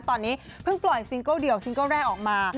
ตอนนี้เพิ่งปล่อยซิงเกิลเดี่ยวซิงเกิ้ลแรกออกมา